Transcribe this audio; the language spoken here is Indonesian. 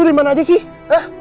dari mana aja sih